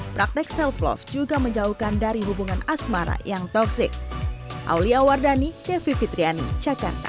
praktek self love juga menjauhkan dari hubungan asmara yang toxic